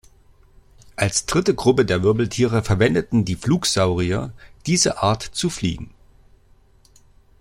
Als dritte Gruppe der Wirbeltiere verwendeten die Flugsaurier diese Art zu fliegen.